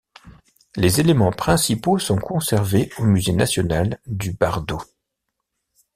Les éléments principaux sont conservés au musée national du Bardo.